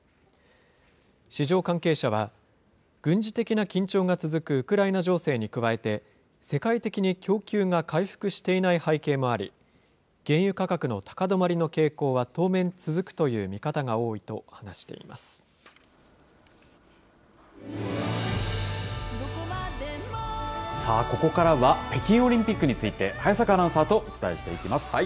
市場関係者は、軍事的な緊張が続くウクライナ情勢に加えて、世界的に供給が回復していない背景もあり、原油価格の高止まりの傾向は当面続くという見方が多いと話していさあ、ここからは北京オリンピックについて、早坂アナウンサーとお伝えしていきます。